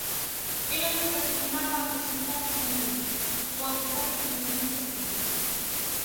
Ela nunca se animaba a presentarse a concursos, ou a buscar recoñecemento público.